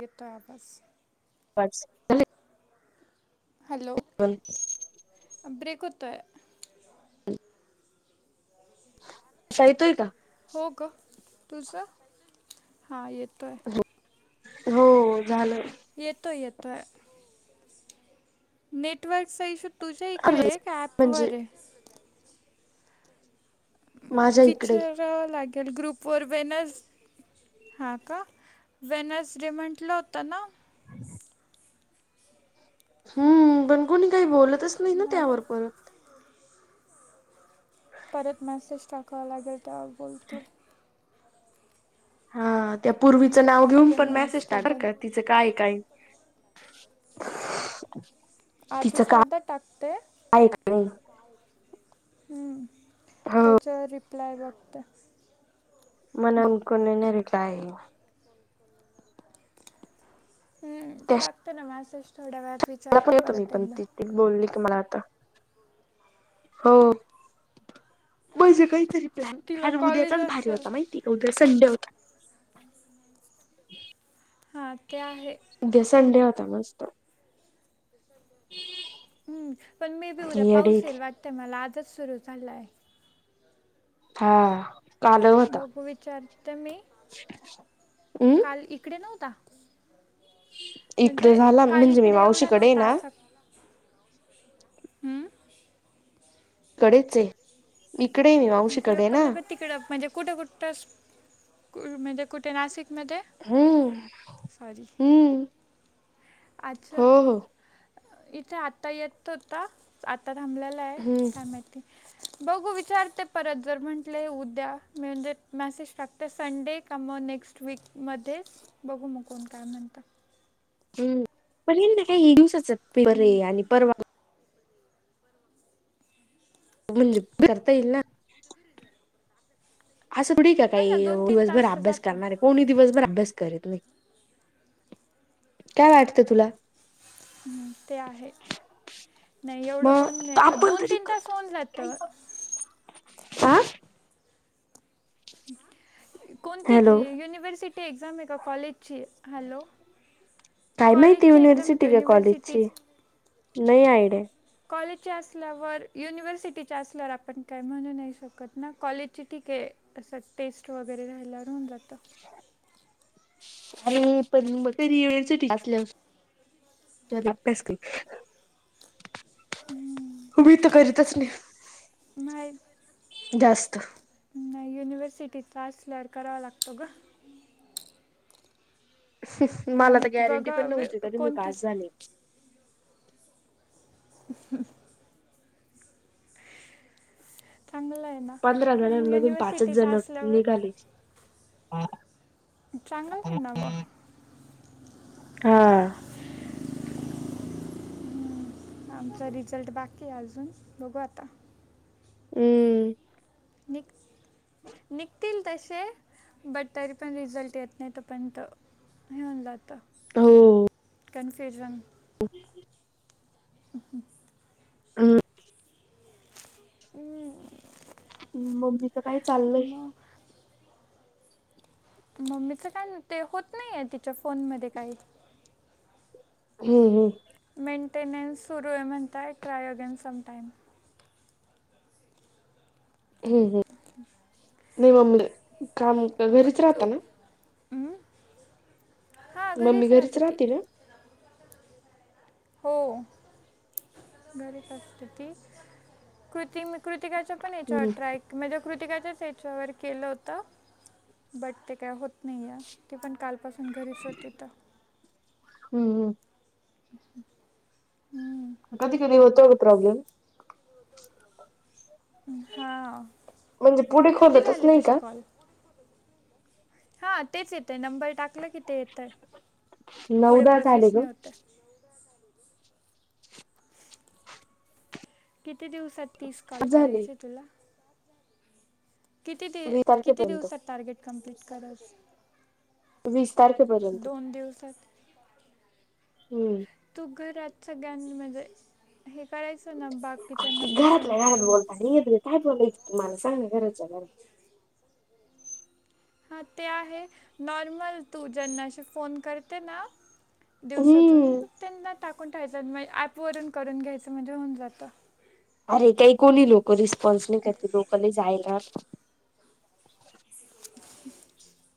येतोय आवाज [unintelligible] हॅलो आता अह ब्रेक होतोय. हम शहतोय का हो ग, तुझ हा येतोय. हो झालं येतोय येतोय नेटवर्क सहीश [unintelligible] तुझ्या इकडेॅ आलेच का म्हणजे अपवर आहे माझ्या इकडे विचारावं लागेल ग्रुप वर वेनज [unintelligible] हां का वेनस डे म्हटलं होता ना [unintelligible] हम्म पण कोणी काही बोलतच नाही ना मला त्यावर परत [unintelligible] परत मेसेज टाकावा लागल तवा बोलतील हा त्या पूर्वीचं नाव घेऊन टाकते पण मी आज मेसेज टा बर डबल का तिचं काय काय [unintelligible] तिच आधी का साधा टाकते ऐकली? हम्म! हो त्याच्यावर रिप्लाय बघतोय. म्हणलं, कोणी नेली टाय. हम्म! टाकते ना मॅसेज थोड्या वेळात वि मला पुढे कमी पण ती बोलली की, मला आता हो, म्हजे काही तरी, प्लँन तिला आणि कॉलेज उद्याचाच भारी असेल होता माहिती, उद्या संडे होता. हा, ते आहे. उद्या संडे होत, मस्त! [unintelligible] पण मे बी उद्या येडे पाऊस येईल वाटतंय, मला आजच सुरू झालाय. हा कालं लय होता. बघू विचारते मी. अम काल इकडे नव्हता इकडे म्हणजे, झाला काल म्हणजे मी इकडे एवढा मावशीकडे आहे नव्हता ना आज इकडेच ये इकडे, मी मावशी ते कडे पण ना. नका तिकडं म्हणजे, कुठं कुठंस कु म्हणजे कुठे नाशिक मध्ये? हम्म! हम्म! अच्छा! हो हो इथे आता येत होता, आता थांबल्याला काय हम्म काय माहिती? [inaudible] बघू विचारते परत जर म्हटले, उद्या मी म्हणजे मॅसेज टाकते संडे का मग नेक्स्ट विकमध्ये बघू म कोण काय म्हणत? हम पण हे ना काही, ये दिवसाचं पेपर ये आणि परवा म्हणजे, करता येईल ना. असं थोडी ये का आहे ना काही, दोन तीन दिवसभर तास तर अभ्यास जातं करणारे. कोणी दिवस भर अभ्यास करतं होय, काय वाटतं तुला? ते आहे नाही एवढं कोण मग नाही क, दोन- तीन तास होऊन जात. आ कोणती ती हॅलो युनिव्हर्सिटी एक्झाम आहे, का कॉलेजची? हॅलो! काय माहिती, कॉलेजची एक्झाम आहे युनिव्हर्सिटी का युनिव्हर्सिटी कॉलेजची नाही आयड्या? कॉलेजची असल्यावर युनिव्हर्सिटीची असल्यावर आपण काही म्हणू नाही शकत ना, कॉलेजची ठीके. असं टेस्ट वगैरे राहाल्यावर होऊन जातं. आणि पण मग युनिव्हर्सिटीची असल्यावर तर अभ्यास कर. हम अ मी तर, करीतच नाही. नाही. जास्त नाही युनिव्हर्सिटीचा असल्यावर करावा लागतो गं. काय मला तर माहिती गॅरंटी बघा पण वे नव्हती, तरी मी पास कोणतेच झाले. अहम चांगलय ना. पंधरा जणांमधून पाचचं युनिव्हर्सिटीचा जण असल्यावर निघाले. चांगलचं हाय, ना म. हा. आमचा रिझल्ट बाकी आहे, अजून बघू आता हम्म! निघ निघतील तसे बट तरी पण, रिझल्ट येत नाही तो पर्यंत होऊन जातं. हो. कनफ्यूजन हम्. हक. हम. हम्. मम्मीच काही चाललय. मम्मीचं काय ते होत नाही आहे तिच्या फोनमध्ये काही हम् हम्म. मेंटेनंस सुरू आहे म्हणतता ट्रायोगेन समटाम. हम्म हम्म नवम म हां मम्मी गरीस रा घरीच आतती. राहते ना हो घरीलीती कृत कृतिकाच्या पण याच्यावर हम्म ट्रॅक म्हणजे कृतिकाच्याच याच्यावर केलं होतं. बट ते काय होत नाहीय ती पण कालपासून घरीच होतीथ. हम्. ह. कधी कधी होतो कां प्रॉब्लेम. हा म्हणजे पुढे किती खोलतच झाले नाही तुझे का कॉल हा तेच येत आहे नंबर टाकलं की ते येत आहे नऊ पुढे दहा झाले प्रोसेस ग नाही होत. [unintelligible] किती दिवसात तीस कॉल झाले करायचे तुला किती दि वीस किती तारखेपर्यंत दिवसात टार्गेट कम्प्लीट करत. वीस तारखेपर्यंत दिवसात. हम्म. तू घरात सगळ्यांनी म्हणजे हे करायचं ना बाग किचनना पण सेंड करून अ. काय बघायचं तुम्हाला सांग ना गरज आहे घर हा ते आहे नॉर्मल तू ज्यांनाशी फोन करते ना. दिवसातून हम्म मग त्यांना टाकून ठेयचं ऍपवरून करून घ्यायचं म्हणजे होऊन जातं. अरे काही कोणी लोक रिस्पॉन्स नाही करते लोकले जायला. [inaudible]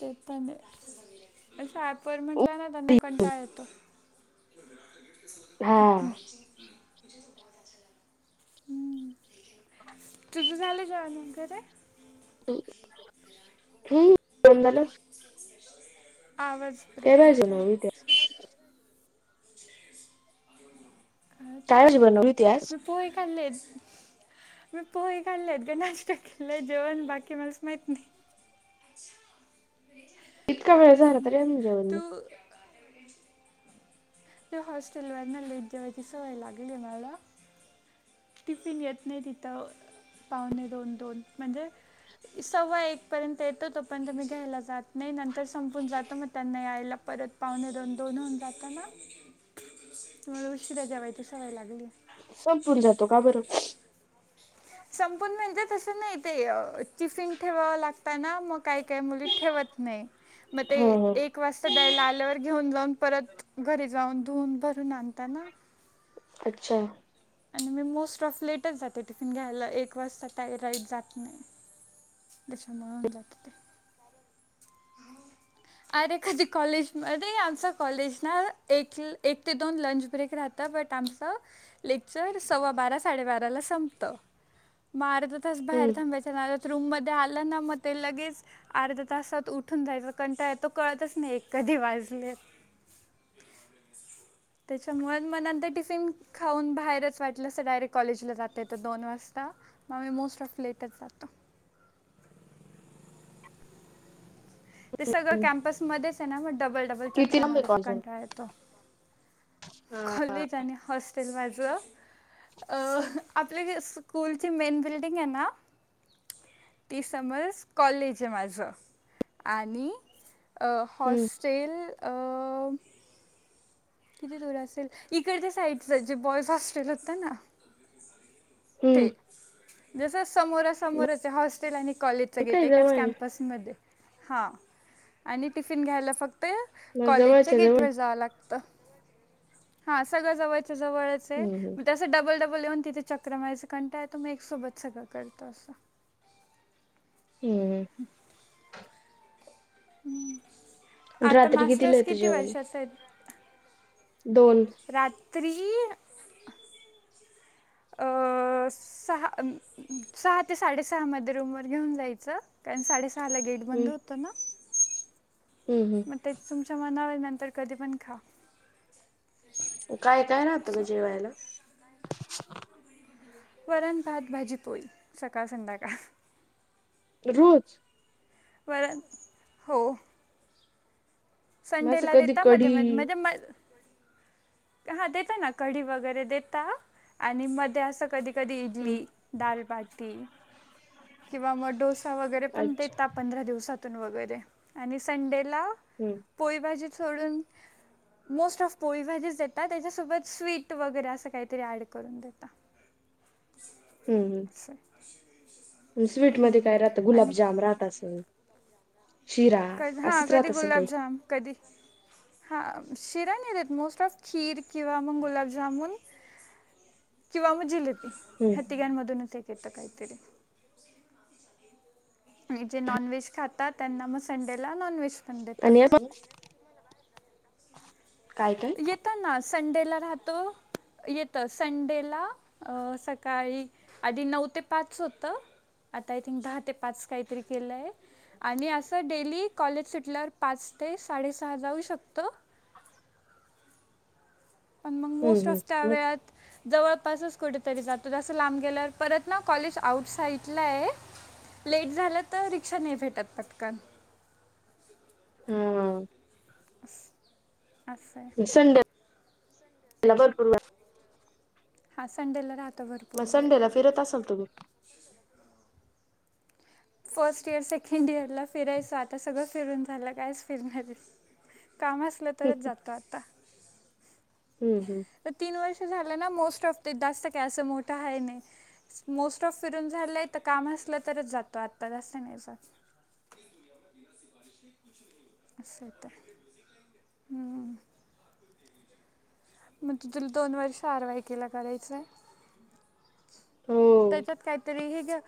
ते पण आहेच पण सात वर म्हंटलं ना त्यांना कंटाळ येतो. हा. तझुझ झाललं जा मगर आहे. हमंदला. आवाज ब्रेक तेवजो होतो न विद्या आ तो काय भाजी बनवली होती आज मी पोहे खाल्लेत. मी पोही खाल्लेत ग नाष्टा केलंय जेवण बाकी मला माहित नाही. अच्छा. इतका वेळ झाला तरी अजून जेवला नाही. [unintelligible] ते हॉस्टेलवरन लेट जेवायची सवय लागली आहे मला टिफिन येत नाही तिथं पाहुणे दोन दोन म्हणजे सव्वा एकपर्यंत येतो तोपर्यंत मी घ्यायला जातो. नाही नंतर संपून जातो मग त्यांना यायला परत पावणे दन दोन होऊन जाताना उशिरा जेवायची सवय लागली. संपून जातो का बरं. संपून म्हणजे तसं नाही ते टीफिन ठेवाव लागतना मग. काय काय मुली ठेवत नाही मग ते हा एक हा एक वाजता द्यायला आल्यावर घेऊन जाऊन परत घरी जाऊन धुऊन भरून आणताना. अच्छा. आणि मी मोस्ट ऑफ लेटच जाते टिफिन घ्यायला एक वाजता टा राईट जात नाही. त्याच्यामुळ होऊन जात ते. [inaudible] अरे कधी कॉलेजमध्ये आमचा कॉलेज ना एक एक ते दोन लंच ब्रेक राहत. तर बग आमचं लेक्चर सव्वा बारा साडेबाराला संपत. मग अर्धा तास बाहेर हम्म थांबायच्या नादात रूम मध्ये आलं ना मग ते लगेच अर्ध तासात उ उठून जायच कंटाळा येतो कळतच नाही एक कधी वाजले. [inaudible] त्याच्यामुळे माला ते टिफिन. खाऊन बाहेरच वाटलं असं डायरेक्ट कॉलेजला जात येत दोन वाजता. होय मी मोस्ट ऑफ लेटच जातो. ते सगळं कॅम्पसमध्येच आहे ना मग डबल डबल किती चक्र लांब आहे माराचा कॉलेज कंटाळा येतो. कॉलेज आणि हॉस्टेल माझं. अ आपले स्कूलची मेन बिल्डिंग आहे ना ते समज कॉलेज आहे माझं आणि अ हम्म हॉस्टेल अ किती दूर असेल इकडच्या साईडच जे बॉयज हॉस्टेल होत ना. हम्म तेच जस समोरा समोरच हॉस्टेल आणि कॉलेजचं गेट काय एकाच जवळ आहे कॅम्पस. मध्ये हां आणि टिफिन घ्यायला फक्त या मग कॉलेजच्या जवळच्या गेट जवळ वर जावं लागत. हा सगळं जवळचं जवळच आहे हम्म हम्म म डबल डबल येऊन तिथे चक्रा मारायचा कंटाळा येतो मग एक सोबत सगळ करतो असं. हम्म. हम् आता रात्री कितीला मास्टर्स येतं किती जेवण वर्षाचे आहेत. दोन. रात्री [inaudible] अ. सहा सहा ते साडेसहा मध्ये रूम वर घेऊन जायचं कारण साडेसहा ला गेट ते बंद होता ना. हम् हम. मग ते तुमच्या मनावर नंतर कधी पण खा. काय काय राहतं म असं. जेवायला. वरण भात भाजी पोळी सकाळ संध्याकाळ. रोज. परत हो. माझं संडेला कधी देता मध्ये कढी मध्ये म्हणजे म. हा देता ना कढी वगैरे देता आणि मध्ये असं कधी कधी इडली. हम्म दालबाटी किंवा मग डोसा वगैरे पण अच्छा देत. पंधरा दिवसातून वगैरे आणि संडेला. हम्म. पोळीभाजी सोडून मोस्ट ऑफ पोळीभाजी जेतो. त्याच्यासोबत स्वीट वगैरे असं काहीतरी ऍड करून देता. हम् हम. अस. स्वीट मध्ये काय राहतं गुलाबजाम राहत असं. कध हा कधी असेल काही गुलाबजाम कधी हा शिरा नाही देत मोस्ट ऑफ खीर किंवा मग गुलाबजामन किंवा मुझिले त हम्म ह ती घ मधून तेक येत कायतरी जे नॉनव्ज खात त्यांना मग संडेला ननव्ज आणि काय काय येताना. संडेला राहतो येतं संडेला सकाळी आधी नऊ ते पाच होतं आता आय थिंक दहा ते पाच काहीतरी केलंय. आणि असं डेली कॉलेज सुटल्यावर पाच ते साडेसहा जाऊ शकतं. आणि मग मोस्ट हम्म ऑफ त्या हम्म वेळात. जवळपासच कुठेतरी जातो जसं लांब गेलं परत ना कॉलेज आउट साइडला आहे. लेट झालं तर रिक्षा नाही भेटत पटकन हा. [unintelligible] असं आहे विसंडपू हा संडेला राह. मग संडेला फिरत असाल तुम्ही? फर्स्ट इयर सेकंड इयर ला फिरायचं आता सगळं फिरून झालं कायच फिरण. काम असलं तरच जातं आता हम्म हम्. तर तीन वर्ष झालं ना मोस्ट ऑफ ते जास्त कय असं मोठं आहे नाही मोस्ट ऑफ फिरून झालंय तर काम असलं तरच जातो आत्ता जासं नाही जात. [unintelligible] अस तर हम्. मग तु तुला दोन वर्ष आरवाई केला करायचंय. हो त्याच्यात काहीतरी हे घ्या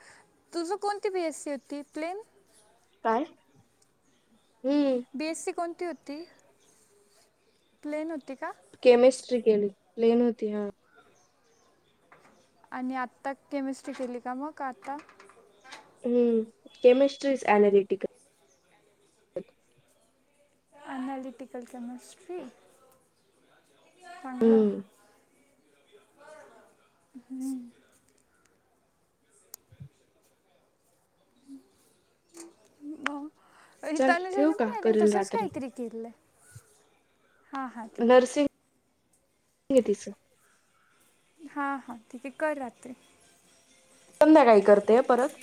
तुझ कोणती बी एसी होती प्लेन काय हम्म. बी एस सी कोणती होती प्लेन होती का? केमिस्ट्री केली लेन होती हा. आणि आता केमिस्ट्री केली का मग आता हम्म केमिस्ट्री इच आणल्याटिकल. एनालिटिकल केमिस्ट्री चांगलं हम्. हम्म. चल ठेवू रतानुजानी का पण आहे करेल तसंच रात्री काहीतरी केले हां हां ठीक आहे. त तस. हा हा ठीक आहे कर रहात्री. संध्या काही करतेय परत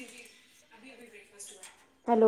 हॅलो